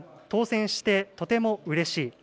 当選してとてもうれしい。